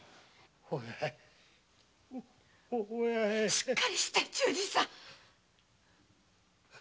しっかりして忠次さん。